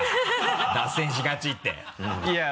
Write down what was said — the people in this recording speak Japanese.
脱線しがちって。